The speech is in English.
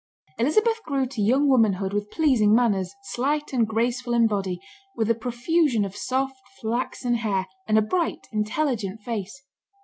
Elizabeth grew to young womanhood, with pleasing manners, slight and graceful in body, with a profusion of soft flaxen hair, and a bright, intelligent face.